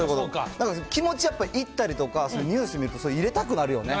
なんか気持ちやっぱり行ったりとか、ニュース見ると入れたくなるよね。